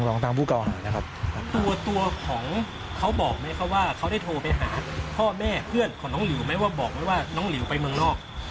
ของทางผู้เก่าหานะครับตัวตัวของเขาบอกไหมคะว่าเขาได้โทรไปหาพ่อแม่เพื่อนของน้องหลิวไหมว่าบอกไหมว่าน้องหลิวไปเมืองนอก